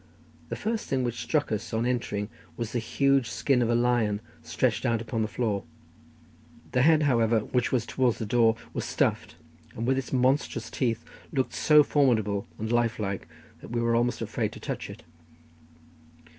The first thing which struck us on entering was the huge skin of a lion stretched out upon the floor; the head, however, which was towards the door, was stuffed, and with its monstrous teeth looked so formidable and lifelike that we were almost afraid to touch it.